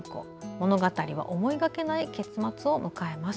物語は思いがけない結末を迎えます。